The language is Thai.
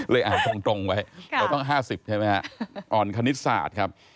อ่านตรงไว้เราต้อง๕๐ใช่ไหมฮะอ่อนคณิตศาสตร์ครับ